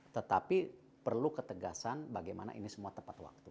tetapi perlu ketegasan bagaimana ini semua tepat waktu